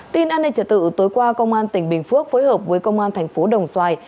tin an ninh trật tự tối qua công an tỉnh bình phước phối hợp với công an thành phố đồng xoài